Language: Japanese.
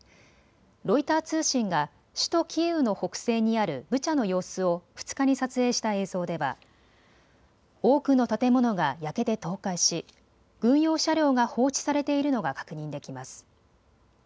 ロイター通信が首都キーウの北西にあるブチャの様子を２日に撮影した映像では多くの建物が焼けて倒壊し、軍用車両が放置されているのが確認できます。